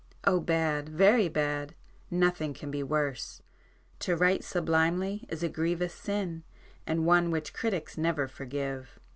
Oh bad, very bad! Nothing can be worse. To write sublimely is a grievous sin, and one which critics never forgive.